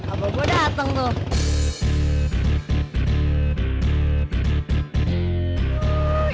apa gua dateng tuh